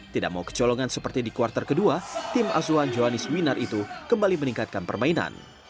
tidak mau kecolongan seperti di kuartal kedua tim asuhan johanis winar itu kembali meningkatkan permainan